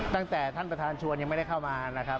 ตั้งแต่ท่านประธานชวนยังไม่ได้เข้ามานะครับ